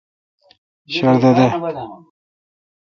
شردہ دے۔